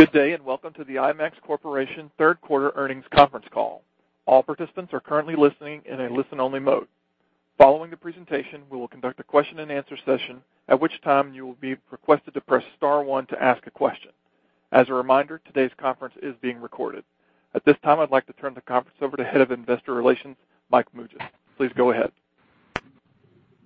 Good day and welcome to the IMAX Corporation Third Quarter Earnings Conference Call. All participants are currently listening in a listen-only mode. Following the presentation, we will conduct a question-and-answer session, at which time you will be requested to press star one to ask a question. As a reminder, today's conference is being recorded. At this time, I'd like to turn the conference over to Head of Investor Relations, Michael Mulgrew. Please go ahead.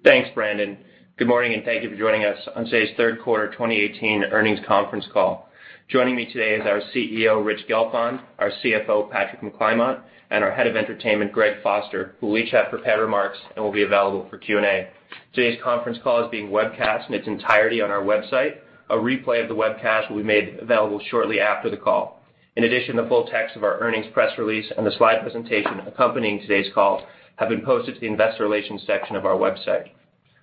Thanks, Brandon. Good morning and thank you for joining us on today's Third Quarter 2018 Earnings Conference Call. Joining me today is our CEO, Rich Gelfond; our CFO, Patrick McClymont; and our Head of Entertainment, Greg Foster, who will each have prepared remarks and will be available for Q&A. Today's conference call is being webcast in its entirety on our website. A replay of the webcast will be made available shortly after the call. In addition, the full text of our earnings press release and the slide presentation accompanying today's call have been posted to the Investor Relations section of our website.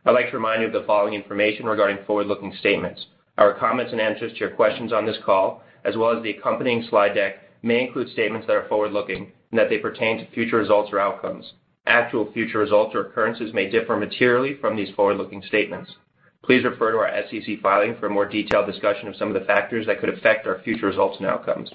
I'd like to remind you of the following information regarding forward-looking statements. Our comments and answers to your questions on this call, as well as the accompanying slide deck, may include statements that are forward-looking and that they pertain to future results or outcomes. Actual future results or occurrences may differ materially from these forward-looking statements. Please refer to our SEC filing for a more detailed discussion of some of the factors that could affect our future results and outcomes.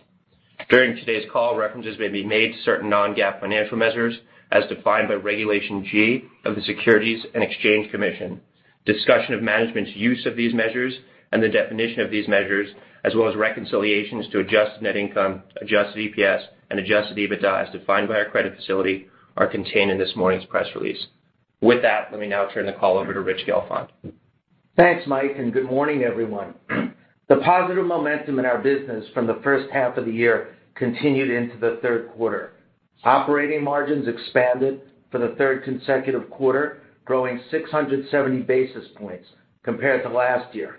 During today's call, references may be made to certain non-GAAP financial measures as defined by Regulation G of the Securities and Exchange Commission. Discussion of management's use of these measures and the definition of these measures, as well as reconciliations to adjusted net income, adjusted EPS, and adjusted EBITDA as defined by our credit facility, are contained in this morning's press release. With that, let me now turn the call over to Rich Gelfond. Thanks, Mike, and good morning, everyone. The positive momentum in our business from the first half of the year continued into the third quarter. Operating margins expanded for the third consecutive quarter, growing 670 basis points compared to last year.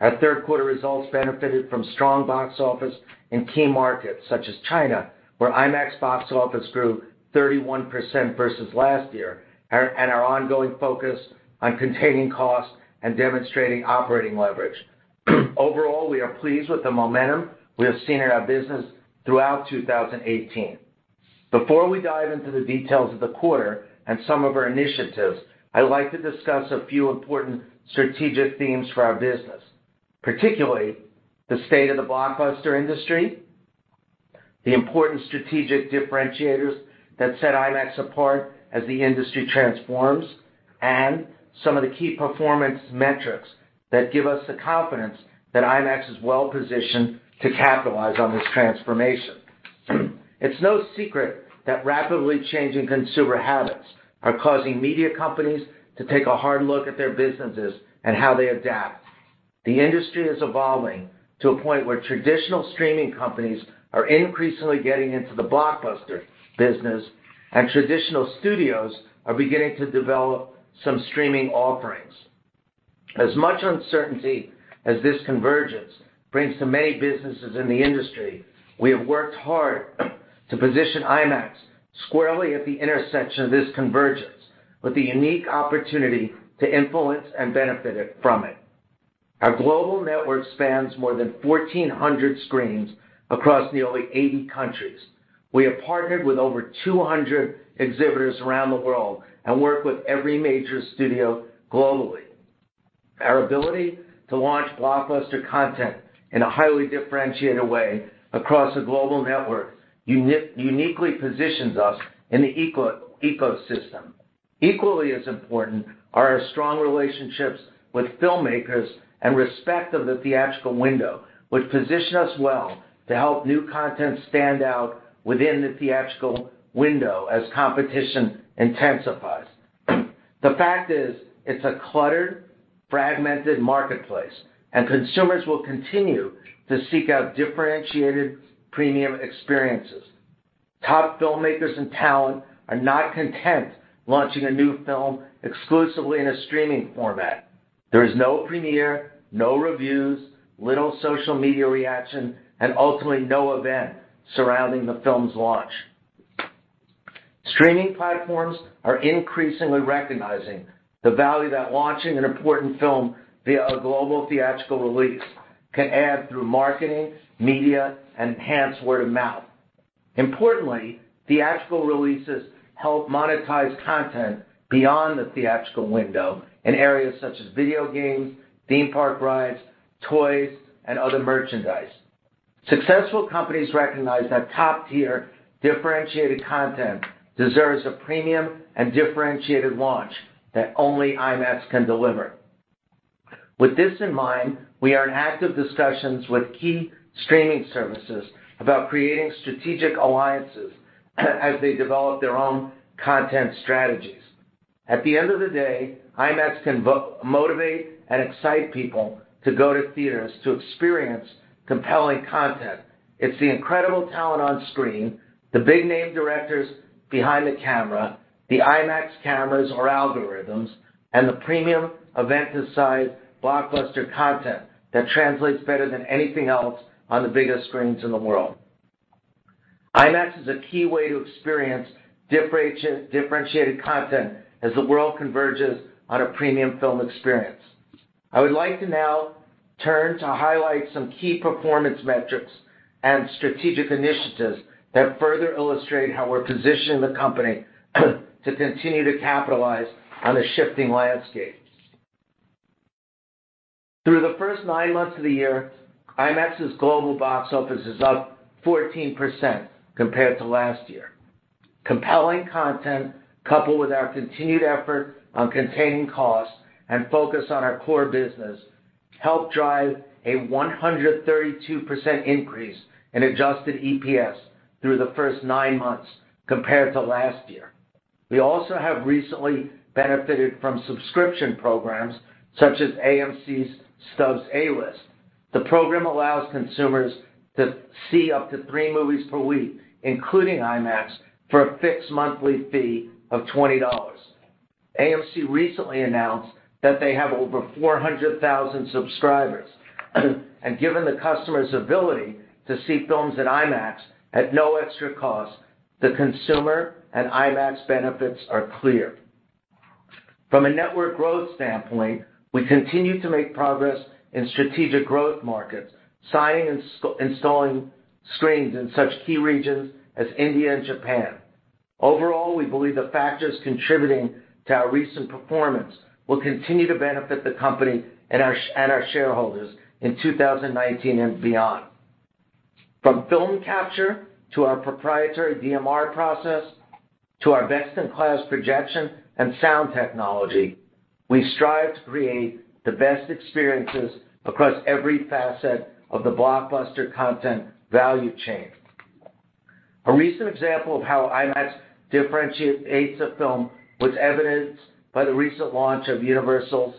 Our third quarter results benefited from strong box office in key markets such as China, where IMAX box office grew 31% versus last year, and our ongoing focus on containing cost and demonstrating operating leverage. Overall, we are pleased with the momentum we have seen in our business throughout 2018. Before we dive into the details of the quarter and some of our initiatives, I'd like to discuss a few important strategic themes for our business, particularly the state of the blockbuster industry, the important strategic differentiators that set IMAX apart as the industry transforms, and some of the key performance metrics that give us the confidence that IMAX is well positioned to capitalize on this transformation. It's no secret that rapidly changing consumer habits are causing media companies to take a hard look at their businesses and how they adapt. The industry is evolving to a point where traditional streaming companies are increasingly getting into the blockbuster business, and traditional studios are beginning to develop some streaming offerings. As much uncertainty as this convergence brings to many businesses in the industry, we have worked hard to position IMAX squarely at the intersection of this convergence with the unique opportunity to influence and benefit from it. Our global network spans more than 1,400 screens across nearly 80 countries. We have partnered with over 200 exhibitors around the world and work with every major studio globally. Our ability to launch blockbuster content in a highly differentiated way across a global network uniquely positions us in the ecosystem. Equally as important are our strong relationships with filmmakers and respect of the theatrical window, which position us well to help new content stand out within the theatrical window as competition intensifies. The fact is, it's a cluttered, fragmented marketplace, and consumers will continue to seek out differentiated premium experiences. Top filmmakers and talent are not content launching a new film exclusively in a streaming format. There is no premiere, no reviews, little social media reaction, and ultimately no event surrounding the film's launch. Streaming platforms are increasingly recognizing the value that launching an important film via a global theatrical release can add through marketing, media, and enhanced word of mouth. Importantly, theatrical releases help monetize content beyond the theatrical window in areas such as video games, theme park rides, toys, and other merchandise. Successful companies recognize that top-tier differentiated content deserves a premium and differentiated launch that only IMAX can deliver. With this in mind, we earn active discussions with key streaming services about creating strategic alliances as they develop their own content strategies. At the end of the day, IMAX can motivate and excite people to go to theaters to experience compelling content. It's the incredible talent on screen, the big-name directors behind the camera, the IMAX cameras or algorithms, and the premium event-sized blockbuster content that translates better than anything else on the biggest screens in the world. IMAX is a key way to experience differentiated content as the world converges on a premium film experience. I would like to now turn to highlight some key performance metrics and strategic initiatives that further illustrate how we're positioning the company to continue to capitalize on the shifting landscape. Through the first nine months of the year, IMAX's global box office is up 14% compared to last year. Compelling content, coupled with our continued effort on containing cost and focus on our core business, helped drive a 132% increase in Adjusted EPS through the first nine months compared to last year. We also have recently benefited from subscription programs such as AMC's Stubs A-List. The program allows consumers to see up to three movies per week, including IMAX, for a fixed monthly fee of $20. AMC recently announced that they have over 400,000 subscribers. Given the customer's ability to see films at IMAX at no extra cost, the consumer and IMAX benefits are clear. From a network growth standpoint, we continue to make progress in strategic growth markets, signing and installing screens in such key regions as India and Japan. Overall, we believe the factors contributing to our recent performance will continue to benefit the company and our shareholders in 2019 and beyond. From film capture to our proprietary DMR process to our best-in-class projection and sound technology, we strive to create the best experiences across every facet of the blockbuster content value chain. A recent example of how IMAX differentiates a film was evidenced by the recent launch of Universal's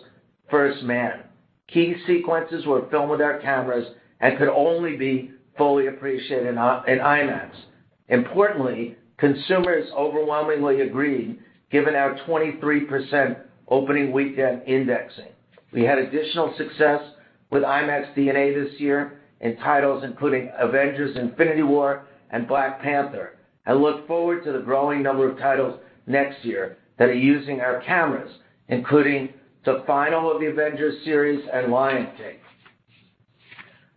First Man. Key sequences were filmed with our cameras and could only be fully appreciated in IMAX. Importantly, consumers overwhelmingly agreed, given our 23% opening weekend indexing. We had additional success with IMAX DNA this year in titles including Avengers: Infinity War and Black Panther. I look forward to the growing number of titles next year that are using our cameras, including the final of the Avengers series and Lion King.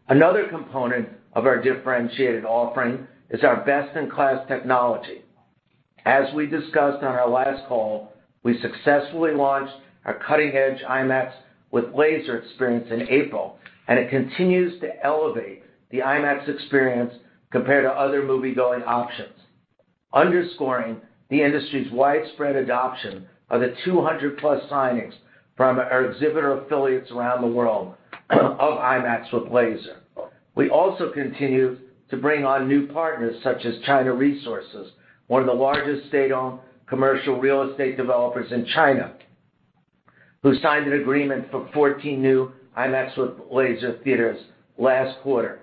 Another component of our differentiated offering is our best-in-class technology. As we discussed on our last call, we successfully launched our cutting-edge IMAX with Laser experience in April, and it continues to elevate the IMAX experience compared to other movie-going options, underscoring the industry's widespread adoption of the 200-plus signings from our exhibitor affiliates around the world of IMAX with Laser. We also continue to bring on new partners such as China Resources Land, one of the largest state-owned commercial real estate developers in China, who signed an agreement for 14 new IMAX with Laser theaters last quarter.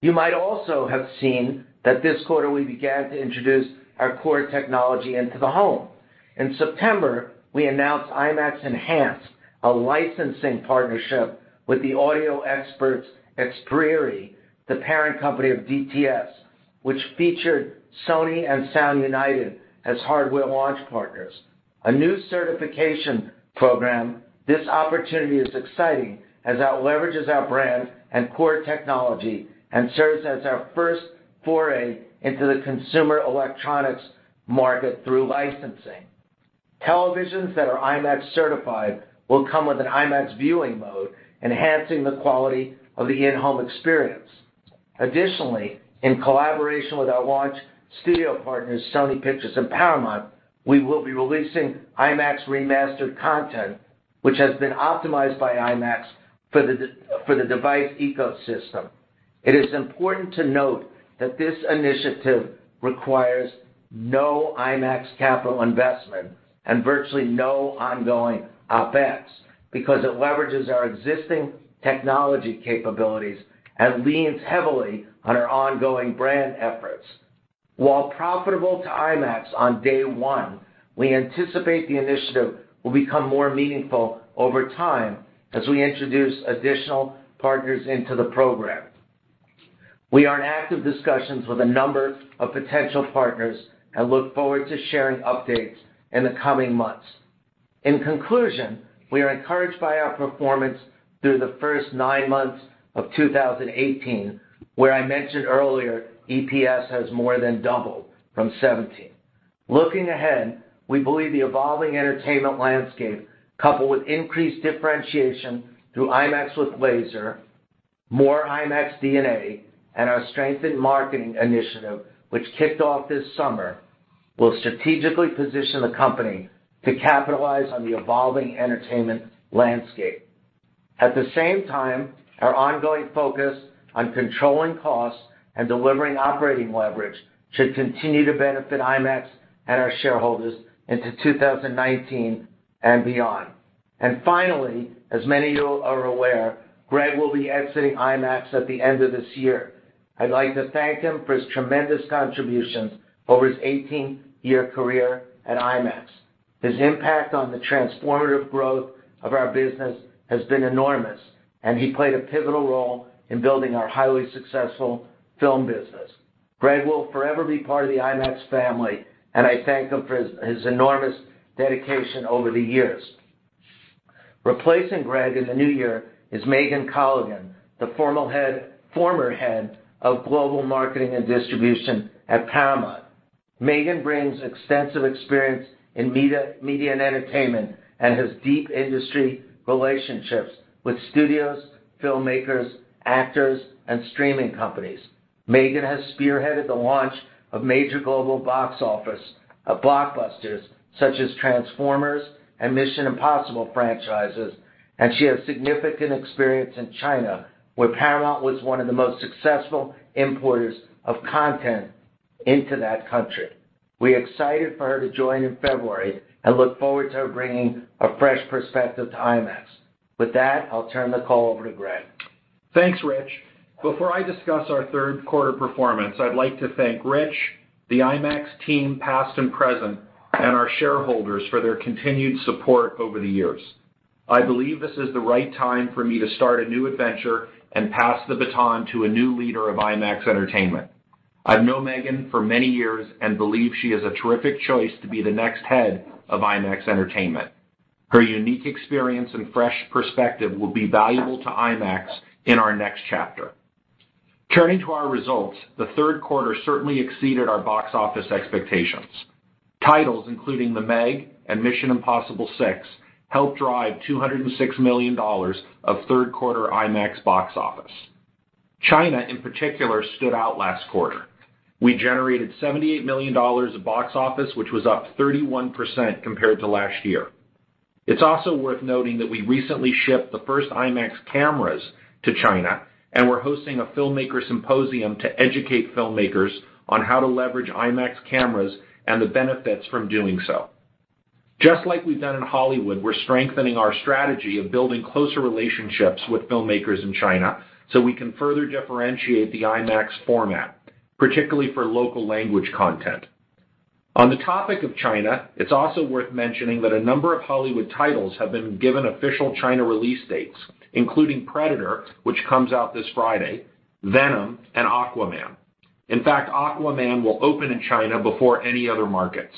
You might also have seen that this quarter we began to introduce our core technology into the home. In September, we announced IMAX Enhanced, a licensing partnership with the audio experts Xperi, the parent company of DTS, which featured Sony and Sound United as hardware launch partners. A new certification program, this opportunity is exciting as it leverages our brand and core technology and serves as our first foray into the consumer electronics market through licensing. Televisions that are IMAX certified will come with an IMAX viewing mode, enhancing the quality of the in-home experience. Additionally, in collaboration with our launch studio partners, Sony Pictures and Paramount, we will be releasing IMAX remastered content, which has been optimized by IMAX for the device ecosystem. It is important to note that this initiative requires no IMAX capital investment and virtually no ongoing OpEx because it leverages our existing technology capabilities and leans heavily on our ongoing brand efforts. While profitable to IMAX on day one, we anticipate the initiative will become more meaningful over time as we introduce additional partners into the program. We are in active discussions with a number of potential partners and look forward to sharing updates in the coming months. In conclusion, we are encouraged by our performance through the first nine months of 2018, where I mentioned earlier EPS has more than doubled from 2017. Looking ahead, we believe the evolving entertainment landscape, coupled with increased differentiation through IMAX with Laser, more IMAX DNA, and our strengthened marketing initiative, which kicked off this summer, will strategically position the company to capitalize on the evolving entertainment landscape. At the same time, our ongoing focus on controlling cost and delivering operating leverage should continue to benefit IMAX and our shareholders into 2019 and beyond. And finally, as many of you are aware, Greg will be exiting IMAX at the end of this year. I'd like to thank him for his tremendous contributions over his 18-year career at IMAX. His impact on the transformative growth of our business has been enormous, and he played a pivotal role in building our highly successful film business. Greg will forever be part of the IMAX family, and I thank him for his enormous dedication over the years. Replacing Greg in the new year is Megan Colligan, the former head of global marketing and distribution at Paramount. Megan brings extensive experience in media and entertainment and has deep industry relationships with studios, filmmakers, actors, and streaming companies. Megan has spearheaded the launch of major global box office blockbusters such as Transformers and Mission: Impossible franchises, and she has significant experience in China, where Paramount was one of the most successful importers of content into that country. We are excited for her to join in February and look forward to her bringing a fresh perspective to IMAX. With that, I'll turn the call over to Greg. Thanks, Rich. Before I discuss our third quarter performance, I'd like to thank Rich, the IMAX team past and present, and our shareholders for their continued support over the years. I believe this is the right time for me to start a new adventure and pass the baton to a new leader of IMAX Entertainment. I've known Megan for many years and believe she is a terrific choice to be the next head of IMAX Entertainment. Her unique experience and fresh perspective will be valuable to IMAX in our next chapter. Turning to our results, the third quarter certainly exceeded our box office expectations. Titles including The Meg and Mission: Impossible 6 helped drive $206 million of third quarter IMAX box office. China, in particular, stood out last quarter. We generated $78 million of box office, which was up 31% compared to last year. It's also worth noting that we recently shipped the first IMAX cameras to China and were hosting a filmmaker symposium to educate filmmakers on how to leverage IMAX cameras and the benefits from doing so. Just like we've done in Hollywood, we're strengthening our strategy of building closer relationships with filmmakers in China so we can further differentiate the IMAX format, particularly for local language content. On the topic of China, it's also worth mentioning that a number of Hollywood titles have been given official China release dates, including Predator, which comes out this Friday, Venom, and Aquaman. In fact, Aquaman will open in China before any other markets.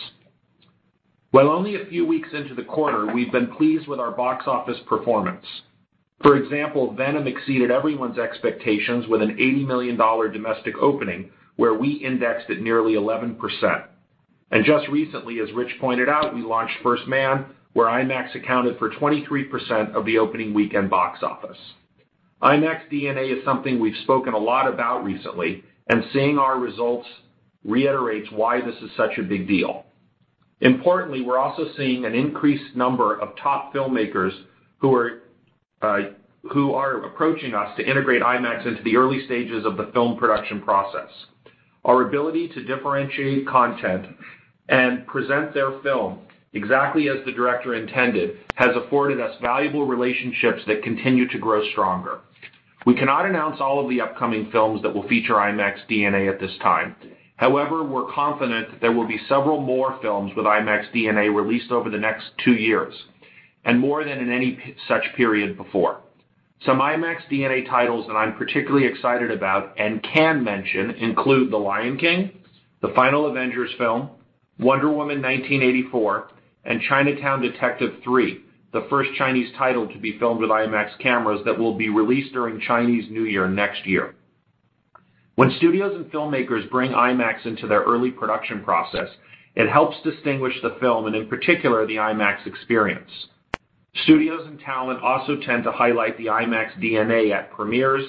Only a few weeks into the quarter, we've been pleased with our box office performance. For example, Venom exceeded everyone's expectations with an $80 million domestic opening, where we indexed at nearly 11%. Just recently, as Rich pointed out, we launched First Man, where IMAX accounted for 23% of the opening weekend box office. IMAX DNA is something we've spoken a lot about recently, and seeing our results reiterates why this is such a big deal. Importantly, we're also seeing an increased number of top filmmakers who are approaching us to integrate IMAX into the early stages of the film production process. Our ability to differentiate content and present their film exactly as the director intended has afforded us valuable relationships that continue to grow stronger. We cannot announce all of the upcoming films that will feature IMAX DNA at this time. However, we're confident that there will be several more films with IMAX DNA released over the next two years, and more than in any such period before. Some IMAX DNA titles that I'm particularly excited about and can mention include The Lion King, the final Avengers film, Wonder Woman 1984, and Detective Chinatown 3, the first Chinese title to be filmed with IMAX cameras that will be released during Chinese New Year next year. When studios and filmmakers bring IMAX into their early production process, it helps distinguish the film and, in particular, the IMAX experience. Studios and talent also tend to highlight the IMAX DNA at premieres,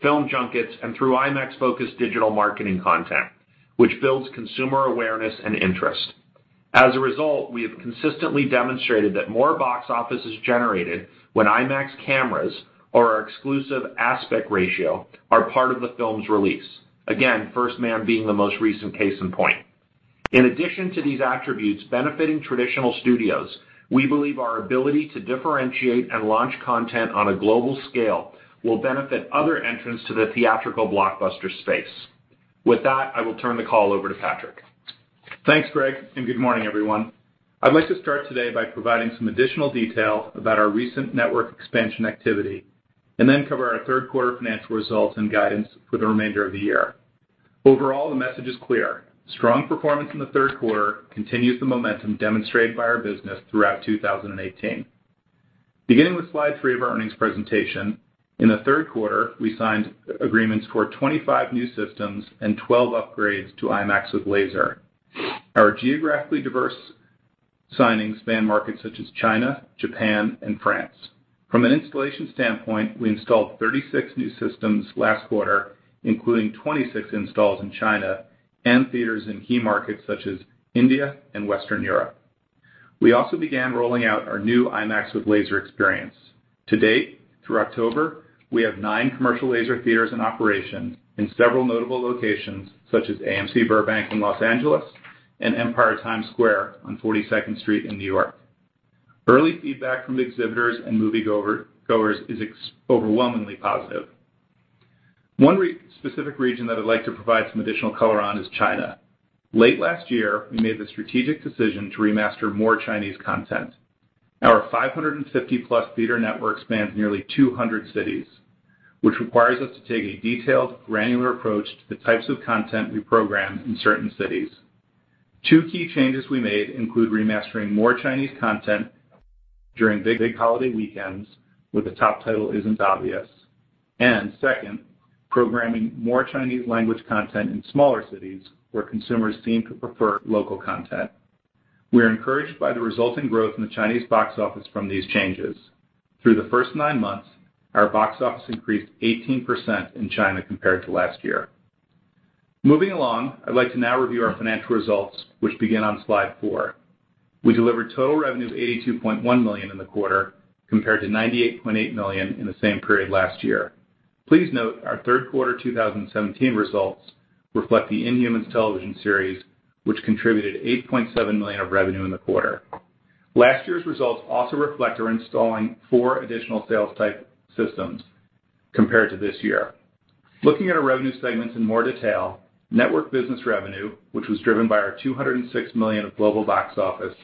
film junkets, and through IMAX-focused digital marketing content, which builds consumer awareness and interest. As a result, we have consistently demonstrated that more box office is generated when IMAX cameras or our exclusive aspect ratio are part of the film's release. Again, First Man being the most recent case in point. In addition to these attributes benefiting traditional studios, we believe our ability to differentiate and launch content on a global scale will benefit other entrants to the theatrical blockbuster space. With that, I will turn the call over to Patrick. Thanks, Greg, and good morning, everyone. I'd like to start today by providing some additional detail about our recent network expansion activity and then cover our third quarter financial results and guidance for the remainder of the year. Overall, the message is clear. Strong performance in the third quarter continues the momentum demonstrated by our business throughout 2018. Beginning with slide three of our earnings presentation, in the third quarter, we signed agreements for 25 new systems and 12 upgrades to IMAX with Laser. Our geographically diverse signings span markets such as China, Japan, and France. From an installation standpoint, we installed 36 new systems last quarter, including 26 installs in China and theaters in key markets such as India and Western Europe. We also began rolling out our new IMAX with Laser experience. To date, through October, we have nine commercial laser theaters in operation in several notable locations such as AMC Burbank in Los Angeles and Empire Times Square on 42nd Street in New York. Early feedback from exhibitors and moviegoers is overwhelmingly positive. One specific region that I'd like to provide some additional color on is China. Late last year, we made the strategic decision to remaster more Chinese content. Our 550-plus theater network spans nearly 200 cities, which requires us to take a detailed, granular approach to the types of content we program in certain cities. Two key changes we made include remastering more Chinese content during big holiday weekends, where the top title isn't obvious, and second, programming more Chinese language content in smaller cities where consumers seem to prefer local content. We are encouraged by the resulting growth in the Chinese box office from these changes. Through the first nine months, our box office increased 18% in China compared to last year. Moving along, I'd like to now review our financial results, which begin on slide four. We delivered total revenue of $82.1 million in the quarter compared to $98.8 million in the same period last year. Please note our third quarter 2017 results reflect the Inhumans television series, which contributed $8.7 million of revenue in the quarter. Last year's results also reflect our installing four additional sales-type systems compared to this year. Looking at our revenue segments in more detail, network business revenue, which was driven by our $206 million of global box office,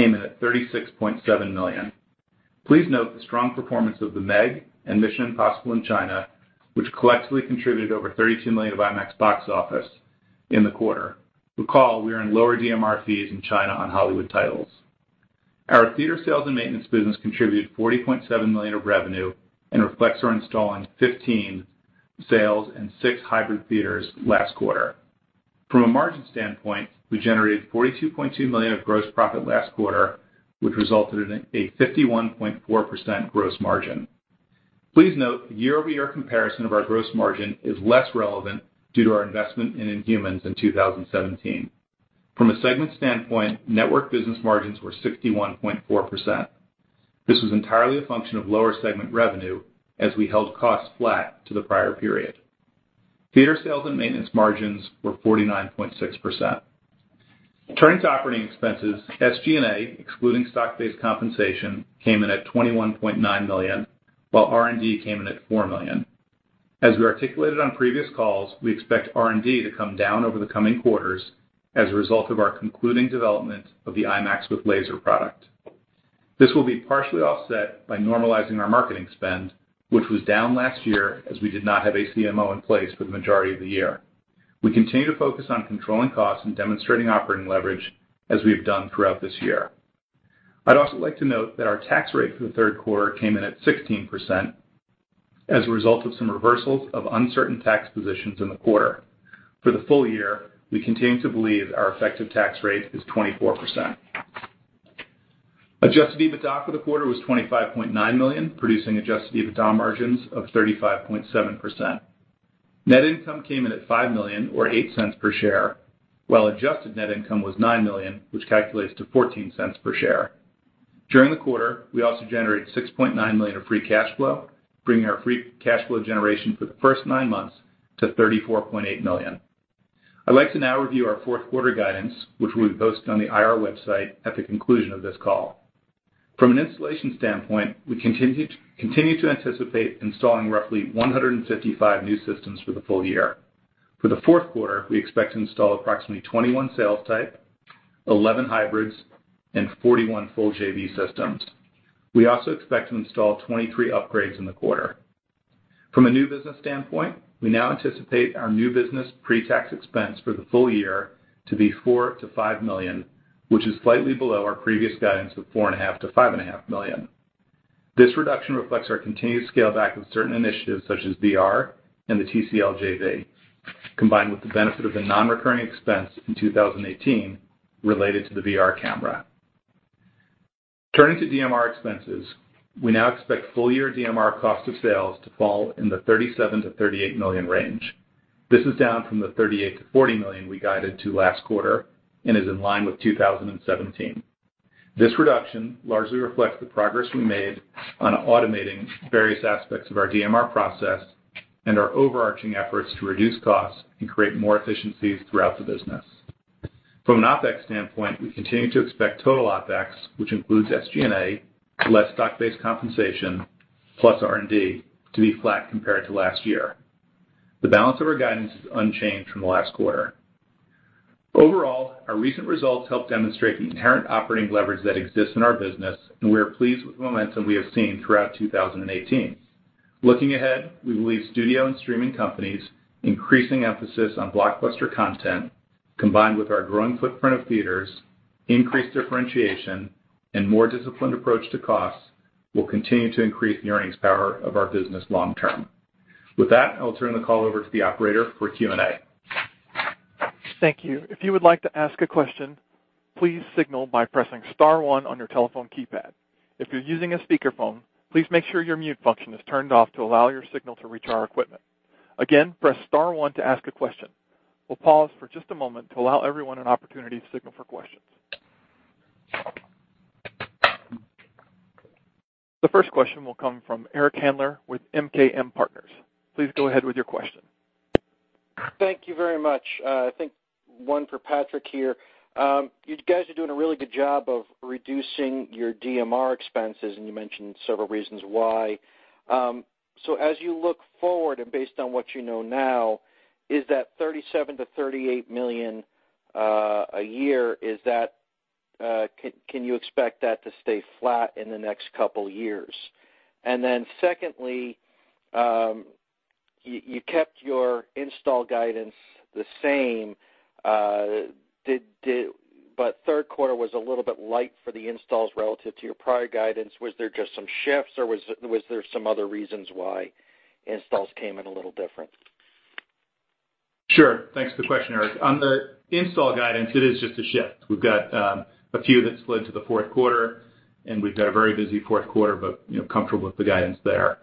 came in at $36.7 million. Please note the strong performance of The Meg and Mission: Impossible in China, which collectively contributed over $32 million of IMAX box office in the quarter. Recall, we are in lower DMR fees in China on Hollywood titles. Our theater sales and maintenance business contributed $40.7 million of revenue and reflects our installing 15 sales and six hybrid theaters last quarter. From a margin standpoint, we generated $42.2 million of gross profit last quarter, which resulted in a 51.4% gross margin. Please note the year-over-year comparison of our gross margin is less relevant due to our investment in Inhumans in 2017. From a segment standpoint, network business margins were 61.4%. This was entirely a function of lower segment revenue as we held costs flat to the prior period. Theater sales and maintenance margins were 49.6%. Turning to operating expenses, SG&A, excluding stock-based compensation, came in at $21.9 million, while R&D came in at $4 million. As we articulated on previous calls, we expect R&D to come down over the coming quarters as a result of our concluding development of the IMAX with Laser product. This will be partially offset by normalizing our marketing spend, which was down last year as we did not have a CMO in place for the majority of the year. We continue to focus on controlling costs and demonstrating operating leverage as we have done throughout this year. I'd also like to note that our tax rate for the third quarter came in at 16% as a result of some reversals of uncertain tax positions in the quarter. For the full year, we continue to believe our effective tax rate is 24%. Adjusted EBITDA for the quarter was $25.9 million, producing adjusted EBITDA margins of 35.7%. Net income came in at $5 million or $0.08 per share, while adjusted net income was $9 million, which calculates to $0.14 per share. During the quarter, we also generated $6.9 million of free cash flow, bringing our free cash flow generation for the first nine months to $34.8 million. I'd like to now review our fourth quarter guidance, which will be posted on the IR website at the conclusion of this call. From an installation standpoint, we continue to anticipate installing roughly 155 new systems for the full year. For the fourth quarter, we expect to install approximately 21 sales-type, 11 hybrids, and 41 full JV systems. We also expect to install 23 upgrades in the quarter. From a new business standpoint, we now anticipate our new business pre-tax expense for the full year to be $4 million-$5 million, which is slightly below our previous guidance of $4.5 million-$5.5 million. This reduction reflects our continued scale-back of certain initiatives such as VR and the TCL JV, combined with the benefit of the non-recurring expense in 2018 related to the VR camera. Turning to DMR expenses, we now expect full-year DMR cost of sales to fall in the $37 million-$38 million range. This is down from the $38 million-$40 million we guided to last quarter and is in line with 2017. This reduction largely reflects the progress we made on automating various aspects of our DMR process and our overarching efforts to reduce costs and create more efficiencies throughout the business. From an OpEx standpoint, we continue to expect total OpEx, which includes SG&A, less stock-based compensation, plus R&D, to be flat compared to last year. The balance of our guidance is unchanged from last quarter. Overall, our recent results help demonstrate the inherent operating leverage that exists in our business, and we are pleased with the momentum we have seen throughout 2018. Looking ahead, we believe studio and streaming companies, increasing emphasis on blockbuster content, combined with our growing footprint of theaters, increased differentiation, and more disciplined approach to costs, will continue to increase the earnings power of our business long-term. With that, I'll turn the call over to the operator for Q&A. Thank you. If you would like to ask a question, please signal by pressing Star one on your telephone keypad. If you're using a speakerphone, please make sure your mute function is turned off to allow your signal to reach our equipment. Again, press Star one to ask a question. We'll pause for just a moment to allow everyone an opportunity to signal for questions. The first question will come from Eric Handler with MKM Partners. Please go ahead with your question. Thank you very much. I think one for Patrick here. You guys are doing a really good job of reducing your DMR expenses, and you mentioned several reasons why. So as you look forward and based on what you know now, is that $37 million-$38 million a year, can you expect that to stay flat in the next couple of years? And then secondly, you kept your install guidance the same, but third quarter was a little bit light for the installs relative to your prior guidance. Was there just some shifts, or was there some other reasons why installs came in a little different? Sure. Thanks for the question, Eric. On the install guidance, it is just a shift. We've got a few that slid to the fourth quarter, and we've got a very busy fourth quarter, but comfortable with the guidance there.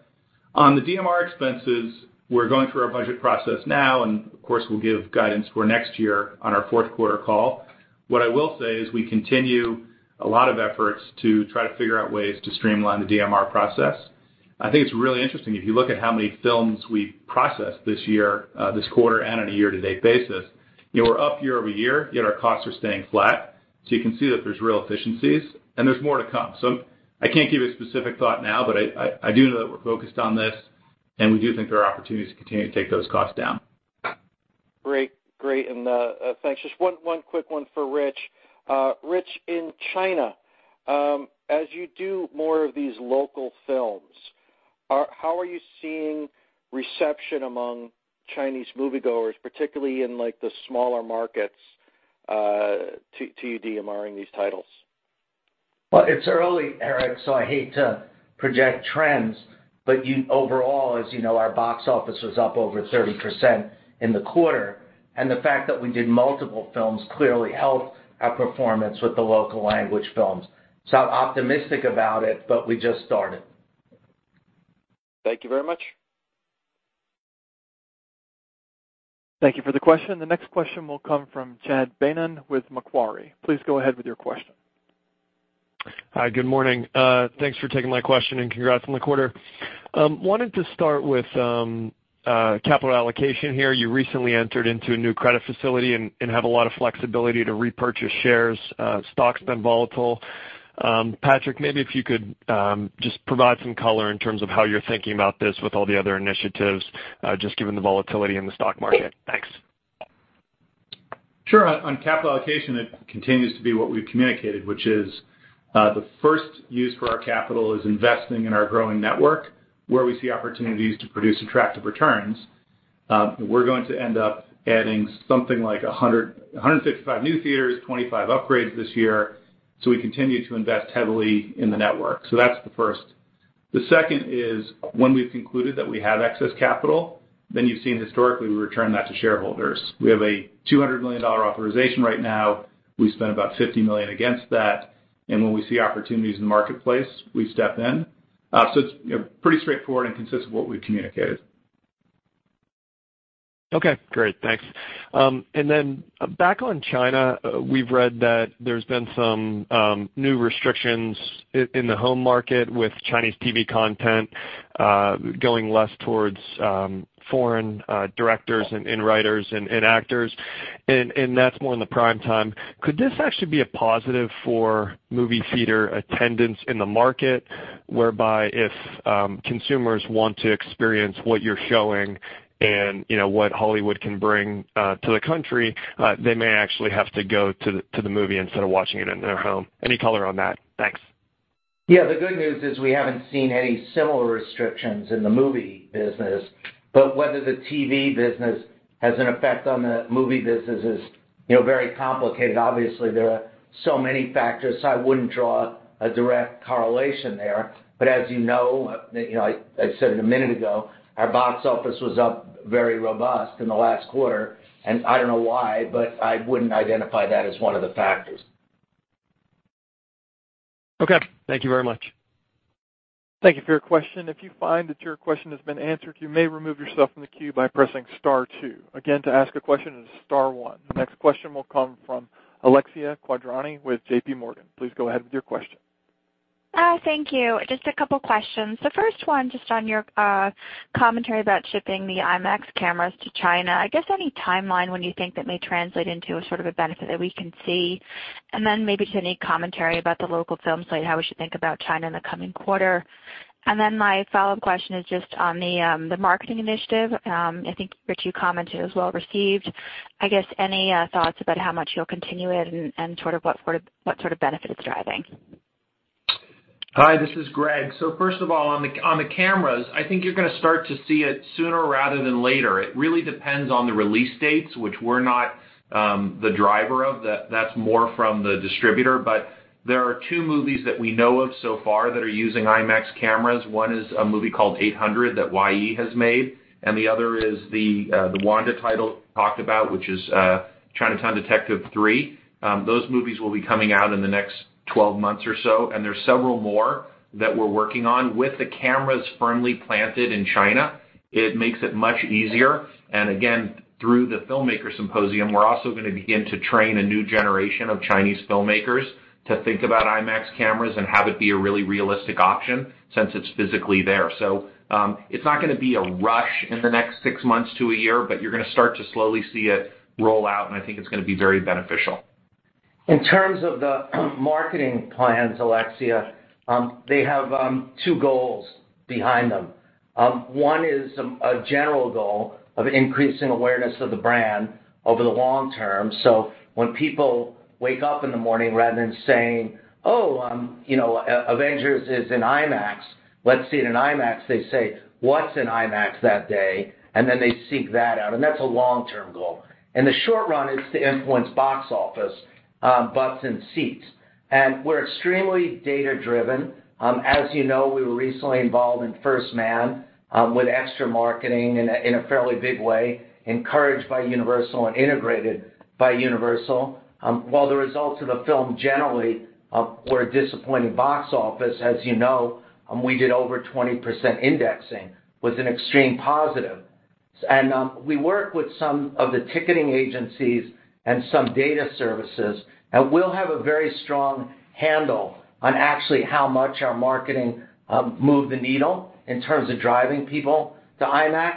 On the DMR expenses, we're going through our budget process now, and of course, we'll give guidance for next year on our fourth quarter call. What I will say is we continue a lot of efforts to try to figure out ways to streamline the DMR process. I think it's really interesting if you look at how many films we processed this year, this quarter, and on a year-to-date basis. We're up year over year, yet our costs are staying flat. So you can see that there's real efficiencies, and there's more to come. So I can't give you a specific thought now, but I do know that we're focused on this, and we do think there are opportunities to continue to take those costs down. Great. Great. And thanks. Just one quick one for Rich. Rich, in China, as you do more of these local films, how are you seeing reception among Chinese moviegoers, particularly in the smaller markets, to you DMRing these titles? It's early, Eric, so I hate to project trends, but overall, as you know, our box office was up over 30% in the quarter, and the fact that we did multiple films clearly helped our performance with the local language films. So I'm optimistic about it, but we just started. Thank you very much. Thank you for the question. The next question will come from Chad Beynon with Macquarie. Please go ahead with your question. Hi, good morning. Thanks for taking my question and congrats on the quarter. Wanted to start with capital allocation here. You recently entered into a new credit facility and have a lot of flexibility to repurchase shares. Stock's been volatile. Patrick, maybe if you could just provide some color in terms of how you're thinking about this with all the other initiatives, just given the volatility in the stock market. Thanks. Sure. On capital allocation, it continues to be what we've communicated, which is the first use for our capital is investing in our growing network where we see opportunities to produce attractive returns. We're going to end up adding something like 155 new theaters, 25 upgrades this year, so we continue to invest heavily in the network. So that's the first. The second is when we've concluded that we have excess capital, then you've seen historically we return that to shareholders. We have a $200 million authorization right now. We spent about $50 million against that, and when we see opportunities in the marketplace, we step in. So it's pretty straightforward and consistent with what we've communicated. Okay. Great. Thanks. And then back on China, we've read that there's been some new restrictions in the home market with Chinese TV content going less towards foreign directors and writers and actors, and that's more in the prime time. Could this actually be a positive for movie theater attendance in the market, whereby if consumers want to experience what you're showing and what Hollywood can bring to the country, they may actually have to go to the movie instead of watching it in their home? Any color on that? Thanks. Yeah. The good news is we haven't seen any similar restrictions in the movie business, but whether the TV business has an effect on the movie business is very complicated. Obviously, there are so many factors, so I wouldn't draw a direct correlation there. But as you know, I said it a minute ago, our box office was up very robust in the last quarter, and I don't know why, but I wouldn't identify that as one of the factors. Okay. Thank you very much. Thank you for your question. If you find that your question has been answered, you may remove yourself from the queue by pressing Star two. Again, to ask a question is Star one. The next question will come from Alexia Quadrani with JPMorgan. Please go ahead with your question. Thank you. Just a couple of questions. The first one just on your commentary about shipping the IMAX cameras to China. I guess any timeline when you think that may translate into sort of a benefit that we can see, and then maybe just any commentary about the local film slate, how we should think about China in the coming quarter. And then my follow-up question is just on the marketing initiative. I think your two comments are well received. I guess any thoughts about how much you'll continue it and sort of what sort of benefit it's driving? Hi, this is Greg. So first of all, on the cameras, I think you're going to start to see it sooner rather than later. It really depends on the release dates, which we're not the driver of. That's more from the distributor. But there are two movies that we know of so far that are using IMAX cameras. One is a movie called The Eight Hundred that Huayi has made, and the other is the Wanda title talked about, which is Detective Chinatown 3. Those movies will be coming out in the next 12 months or so, and there's several more that we're working on. With the cameras firmly planted in China, it makes it much easier. Again, through the filmmaker symposium, we're also going to begin to train a new generation of Chinese filmmakers to think about IMAX cameras and have it be a really realistic option since it's physically there. It's not going to be a rush in the next six months to a year, but you're going to start to slowly see it roll out, and I think it's going to be very beneficial. In terms of the marketing plans, Alexia, they have two goals behind them. One is a general goal of increasing awareness of the brand over the long term. So when people wake up in the morning rather than saying, "Oh, Avengers is in IMAX. Let's see it in IMAX," they say, "What's in IMAX that day?" And then they seek that out. And that's a long-term goal. In the short run, it's to influence box office, butts in seats. And we're extremely data-driven. As you know, we were recently involved in First Man with extra marketing in a fairly big way, encouraged by Universal and integrated by Universal. While the results of the film generally were disappointing box office, as you know, we did over 20% indexing, which was an extreme positive. And we work with some of the ticketing agencies and some data services, and we'll have a very strong handle on actually how much our marketing moved the needle in terms of driving people to IMAX.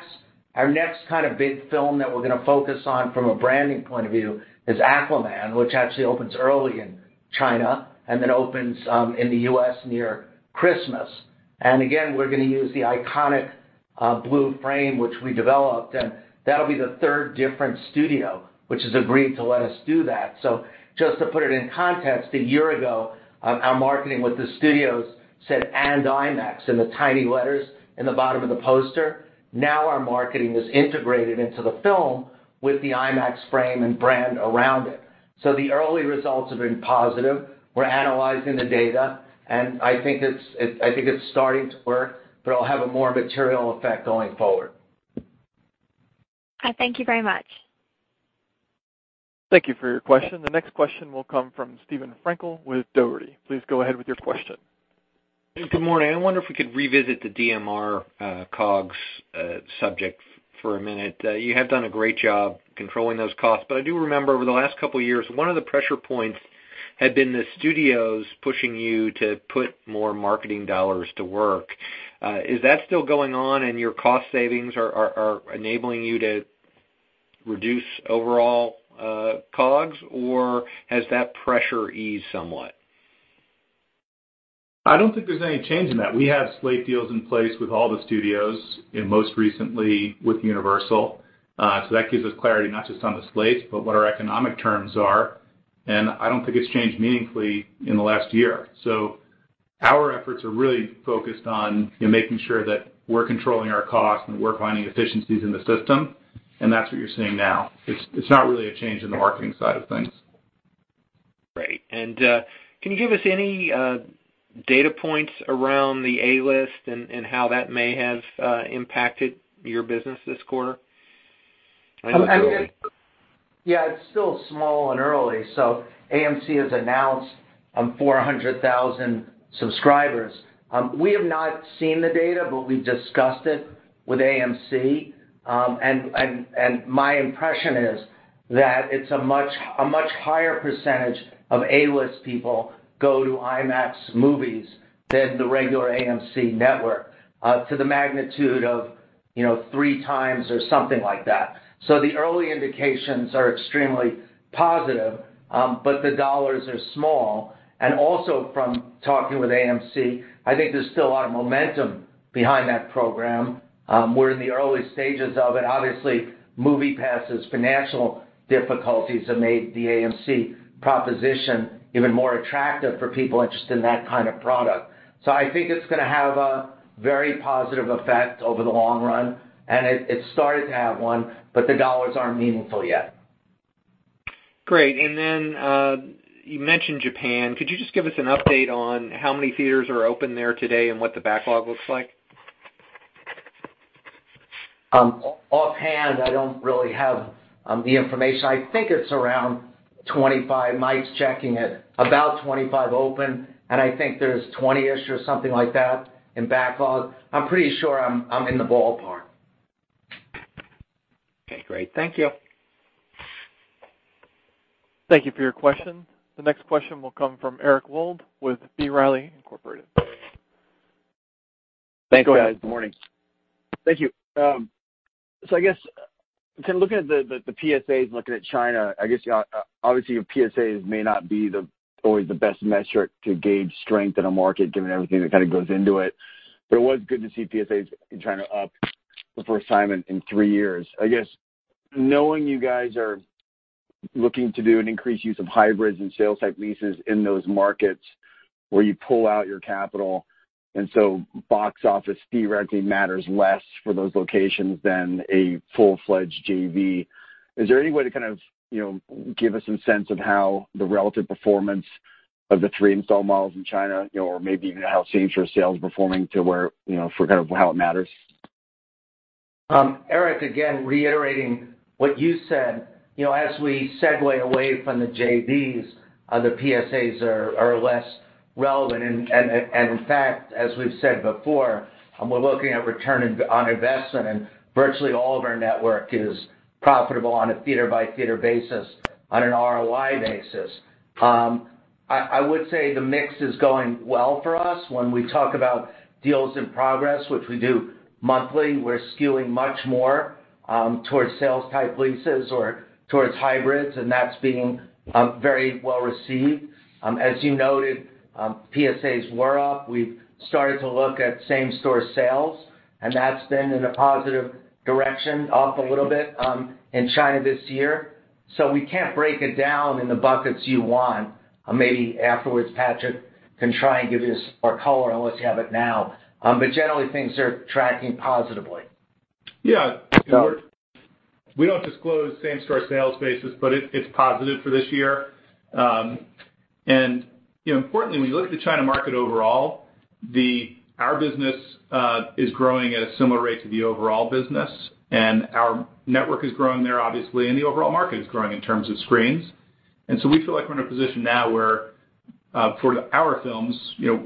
Our next kind of big film that we're going to focus on from a branding point of view is Aquaman, which actually opens early in China and then opens in the U.S. near Christmas. And again, we're going to use the iconic blue frame, which we developed, and that'll be the third different studio, which has agreed to let us do that. So just to put it in context, a year ago, our marketing with the studios said, "And IMAX," in the tiny letters in the bottom of the poster. Now our marketing is integrated into the film with the IMAX frame and brand around it. So the early results have been positive. We're analyzing the data, and I think it's starting to work, but it'll have a more material effect going forward. Thank you very much. Thank you for your question. The next question will come from Steven Frankel with Dougherty. Please go ahead with your question. Good morning. I wonder if we could revisit the DMR COGS subject for a minute. You have done a great job controlling those costs, but I do remember over the last couple of years, one of the pressure points had been the studios pushing you to put more marketing dollars to work. Is that still going on, and your cost savings are enabling you to reduce overall COGS, or has that pressure eased somewhat? I don't think there's any change in that. We have slate deals in place with all the studios, most recently with Universal. So that gives us clarity not just on the slates, but what our economic terms are, and I don't think it's changed meaningfully in the last year. So our efforts are really focused on making sure that we're controlling our costs and we're finding efficiencies in the system, and that's what you're seeing now. It's not really a change in the marketing side of things. Great. And can you give us any data points around the A-list and how that may have impacted your business this quarter? Yeah. It's still small and early. So AMC has announced 400,000 subscribers. We have not seen the data, but we've discussed it with AMC, and my impression is that it's a much higher percentage of A-List people go to IMAX movies than the regular AMC network, to the magnitude of three times or something like that. So the early indications are extremely positive, but the dollars are small. And also from talking with AMC, I think there's still a lot of momentum behind that program. We're in the early stages of it. Obviously, MoviePass's financial difficulties have made the AMC proposition even more attractive for people interested in that kind of product. So I think it's going to have a very positive effect over the long run, and it's started to have one, but the dollars aren't meaningful yet. Great, and then you mentioned Japan. Could you just give us an update on how many theaters are open there today and what the backlog looks like? Offhand, I don't really have the information. I think it's around 25. Mike's checking it. About 25 open, and I think there's 20-ish or something like that in backlog. I'm pretty sure I'm in the ballpark. Okay. Great. Thank you. Thank you for your question. The next question will come from Eric Wold with B. Riley, Incorporated. Thanks, guys. Thank you. Thank you. So I guess looking at the PSAs and looking at China, I guess obviously PSAs may not be always the best metric to gauge strength in a market given everything that kind of goes into it, but it was good to see PSAs in China up for the first time in three years. I guess knowing you guys are looking to do an increased use of hybrids and sales-type leases in those markets where you pull out your capital, and so box office theoretically matters less for those locations than a full-fledged JV, is there any way to kind of give us some sense of how the relative performance of the three install models in China or maybe even how same-store sales are performing to where for kind of how it matters? Eric, again, reiterating what you said, as we segue away from the JVs, the PSAs are less relevant, and in fact, as we've said before, we're looking at return on investment, and virtually all of our network is profitable on a theater-by-theater basis on an ROI basis. I would say the mix is going well for us. When we talk about deals in progress, which we do monthly, we're skewing much more towards sales-type leases or towards hybrids, and that's being very well received. As you noted, PSAs were up. We've started to look at same-store sales, and that's been in a positive direction, up a little bit in China this year, so we can't break it down in the buckets you want. Maybe afterwards, Patrick can try and give you some more color on what we have now, but generally, things are tracking positively. Yeah. We don't disclose same-store sales basis, but it's positive for this year, and importantly, when you look at the China market overall, our business is growing at a similar rate to the overall business, and our network is growing there, obviously, and the overall market is growing in terms of screens, and so we feel like we're in a position now where for our films,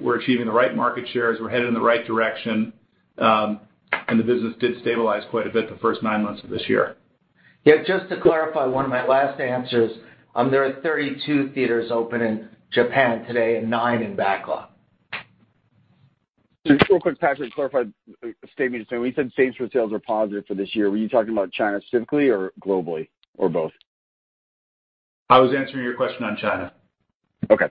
we're achieving the right market shares, we're headed in the right direction, and the business did stabilize quite a bit the first nine months of this year. Yeah. Just to clarify one of my last answers, there are 32 theaters open in Japan today and nine in backlog. Just real quick, Patrick, clarify the statement you're saying. When you said same-store sales are positive for this year, were you talking about China specifically or globally or both? I was answering your question on China. Okay.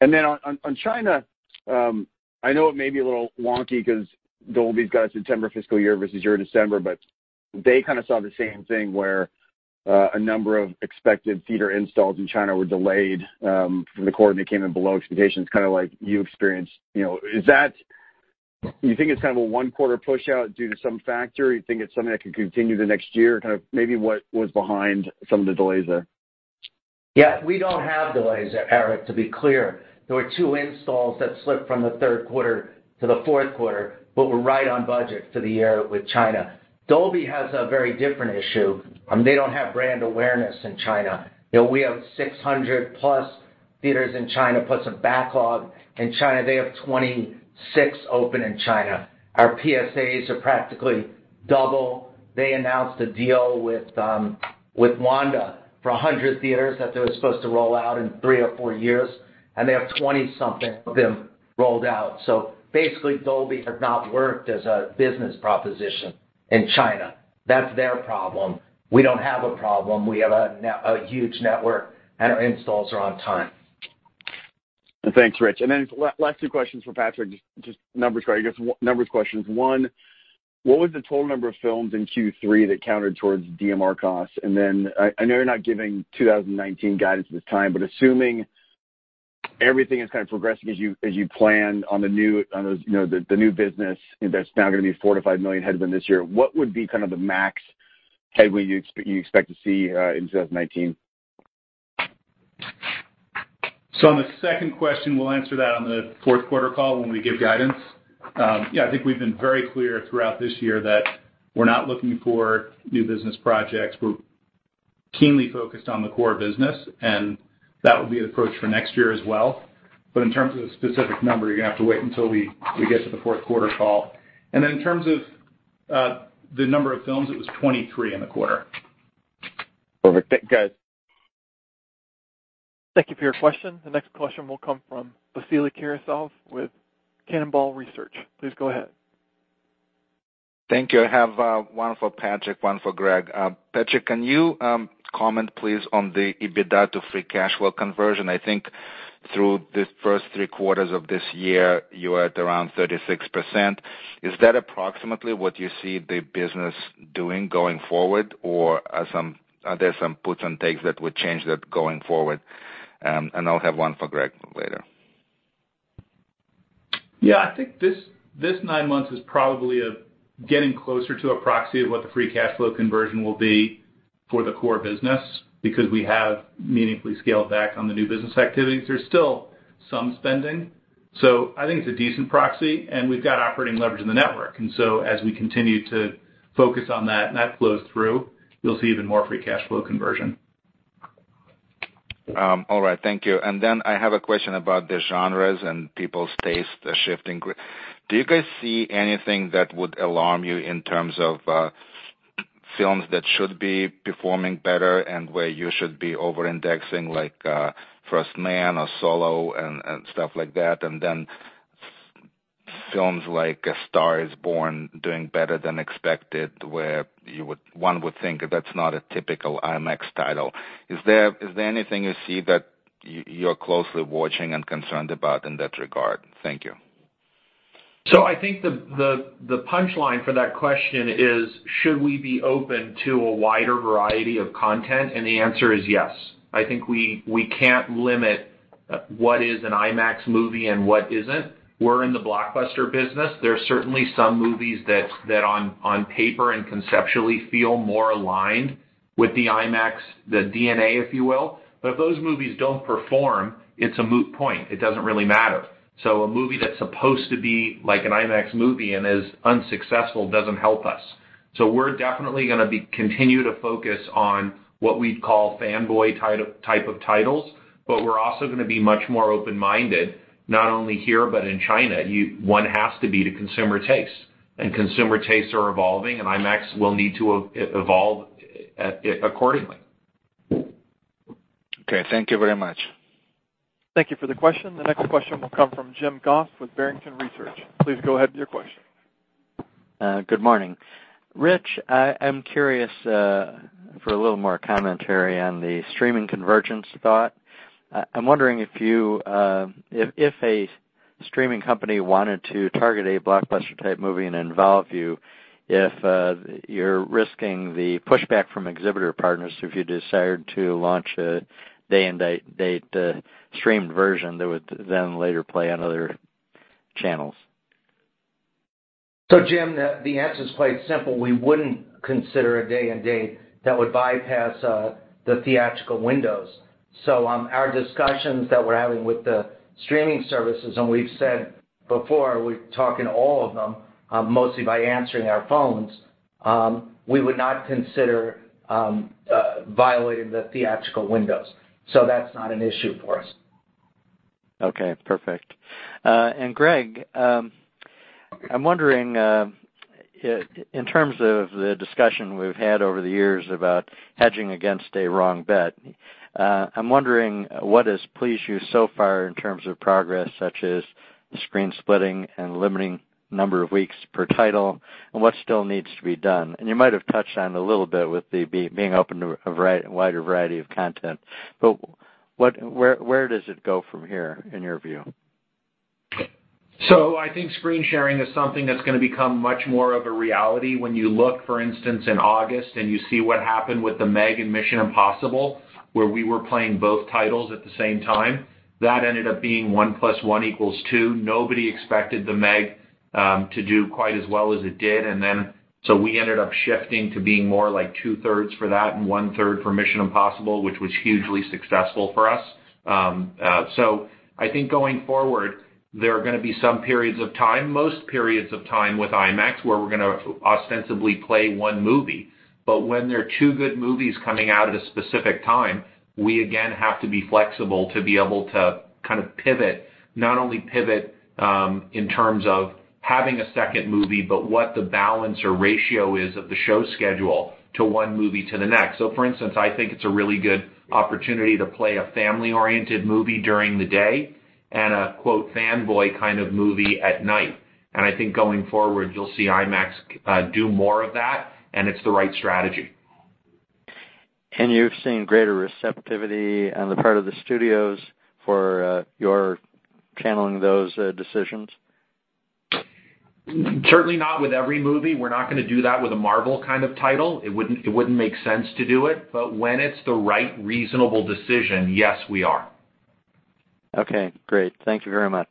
And then on China, I know it may be a little wonky because Dougherty's got a September fiscal year versus your December, but they kind of saw the same thing where a number of expected theater installs in China were delayed from the quarter and they came in below expectations, kind of like you experienced. Do you think it's kind of a one-quarter push-out due to some factor? Do you think it's something that could continue the next year? Kind of maybe what was behind some of the delays there? Yeah. We don't have delays, Eric, to be clear. There were two installs that slipped from the third quarter to the fourth quarter, but we're right on budget for the year with China. Dolby has a very different issue. They don't have brand awareness in China. We have 600-plus theaters in China, plus a backlog. In China, they have 26 open in China. Our PSAs are practically double. They announced a deal with Wanda for 100 theaters that they were supposed to roll out in three or four years, and they have 20-something of them rolled out. So basically, Dolby has not worked as a business proposition in China. That's their problem. We don't have a problem. We have a huge network, and our installs are on time. Thanks, Rich. And then last two questions for Patrick, just number questions. One, what was the total number of films in Q3 that counted towards DMR costs? And then I know you're not giving 2019 guidance at this time, but assuming everything is kind of progressing as you plan on the new business that's now going to be $4 million-$5 million headwinds this year, what would be kind of the max headwind you expect to see in 2019? So on the second question, we'll answer that on the fourth quarter call when we give guidance. Yeah, I think we've been very clear throughout this year that we're not looking for new business projects. We're keenly focused on the core business, and that will be the approach for next year as well. But in terms of the specific number, you're going to have to wait until we get to the fourth quarter call. And then in terms of the number of films, it was 23 in the quarter. Perfect. Thank you, guys. Thank you for your question. The next question will come from Vasily Karasyov with Cannonball Research. Please go ahead. Thank you. I have one for Patrick, one for Greg. Patrick, can you comment please on the EBITDA to free cash flow conversion? I think through the first three quarters of this year, you were at around 36%. Is that approximately what you see the business doing going forward, or are there some puts and takes that would change that going forward? And I'll have one for Greg later. Yeah. I think this nine months is probably getting closer to a proxy of what the free cash flow conversion will be for the core business because we have meaningfully scaled back on the new business activities. There's still some spending, so I think it's a decent proxy, and we've got operating leverage in the network, and so as we continue to focus on that and that flows through, you'll see even more free cash flow conversion. All right. Thank you. And then I have a question about the genres and people's taste shifting. Do you guys see anything that would alarm you in terms of films that should be performing better and where you should be over-indexing, like First Man or Solo and stuff like that, and then films like A Star Is Born doing better than expected, where one would think that's not a typical IMAX title? Is there anything you see that you're closely watching and concerned about in that regard? Thank you. So I think the punchline for that question is, should we be open to a wider variety of content? And the answer is yes. I think we can't limit what is an IMAX movie and what isn't. We're in the blockbuster business. There are certainly some movies that on paper and conceptually feel more aligned with the IMAX DNA, if you will. But if those movies don't perform, it's a moot point. It doesn't really matter. So a movie that's supposed to be like an IMAX movie and is unsuccessful doesn't help us. So we're definitely going to continue to focus on what we'd call fanboy type of titles, but we're also going to be much more open-minded, not only here, but in China. One has to be to consumer taste, and consumer tastes are evolving, and IMAX will need to evolve accordingly. Okay. Thank you very much. Thank you for the question. The next question will come from James Goss with Barrington Research. Please go ahead with your question. Good morning. Rich, I am curious for a little more commentary on the streaming convergence thought. I'm wondering if a streaming company wanted to target a blockbuster-type movie and involve you, if you're risking the pushback from exhibitor partners if you decide to launch a day-and-date streamed version that would then later play on other channels? So Jim, the answer is quite simple. We wouldn't consider a day-and-date that would bypass the theatrical windows. So our discussions that we're having with the streaming services, and we've said before we're talking to all of them, mostly by answering our phones, we would not consider violating the theatrical windows. So that's not an issue for us. Okay. Perfect. And Greg, I'm wondering, in terms of the discussion we've had over the years about hedging against a wrong bet, I'm wondering what has pleased you so far in terms of progress, such as screen splitting and limiting the number of weeks per title, and what still needs to be done? And you might have touched on a little bit with the being open to a wider variety of content, but where does it go from here in your view? So I think screen sharing is something that's going to become much more of a reality. When you look, for instance, in August, and you see what happened with The Meg and Mission: Impossible, where we were playing both titles at the same time, that ended up being one plus one equals two. Nobody expected The Meg to do quite as well as it did. And then so we ended up shifting to being more like two-thirds for that and one-third for Mission: Impossible, which was hugely successful for us. So I think going forward, there are going to be some periods of time, most periods of time with IMAX, where we're going to ostensibly play one movie. But when there are two good movies coming out at a specific time, we again have to be flexible to be able to kind of pivot, not only pivot in terms of having a second movie, but what the balance or ratio is of the show schedule to one movie to the next. So for instance, I think it's a really good opportunity to play a family-oriented movie during the day and a "fanboy" kind of movie at night. And I think going forward, you'll see IMAX do more of that, and it's the right strategy. You've seen greater receptivity on the part of the studios for your channeling those decisions? Certainly not with every movie. We're not going to do that with a Marvel kind of title. It wouldn't make sense to do it. But when it's the right reasonable decision, yes, we are. Okay. Great. Thank you very much.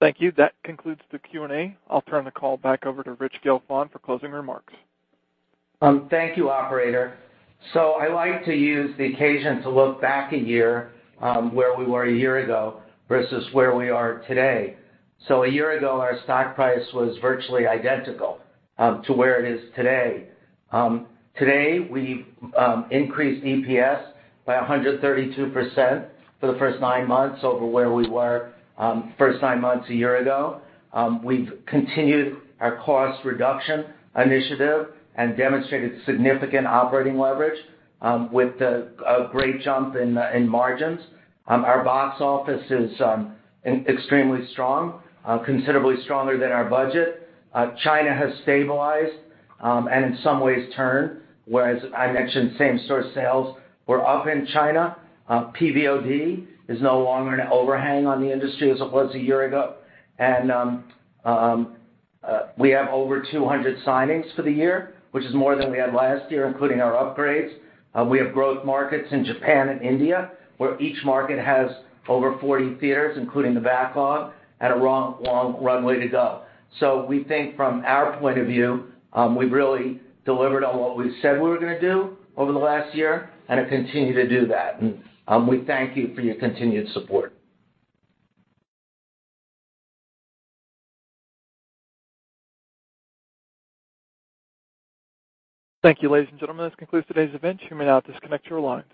Thank you. That concludes the Q&A. I'll turn the call back over to Rich Gelfond for closing remarks. Thank you, operator. I like to use the occasion to look back a year where we were a year ago versus where we are today. A year ago, our stock price was virtually identical to where it is today. Today, we've increased EPS by 132% for the first nine months over where we were first nine months a year ago. We've continued our cost reduction initiative and demonstrated significant operating leverage with a great jump in margins. Our box office is extremely strong, considerably stronger than our budget. China has stabilized and in some ways turned, whereas I mentioned same-store sales. We're up in China. PVOD is no longer an overhang on the industry as it was a year ago. We have over 200 signings for the year, which is more than we had last year, including our upgrades. We have growth markets in Japan and India where each market has over 40 theaters, including the backlog, and a long runway to go. So we think from our point of view, we've really delivered on what we said we were going to do over the last year and continue to do that. And we thank you for your continued support. Thank you, ladies and gentlemen. This concludes today's event. You may now disconnect your lines.